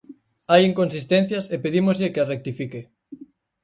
Hai inconsistencias e pedímoslle que as rectifique.